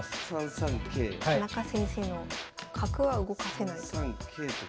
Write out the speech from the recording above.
田中先生の角は動かせないと。